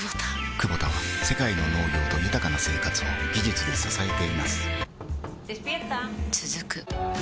クボタは世界の農業と豊かな生活を技術で支えています起きて。